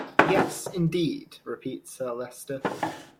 "Yes, indeed," repeats Sir Leicester.